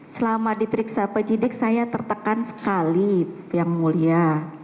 selama diperiksa penyidik saya tertekan sekali yang mulia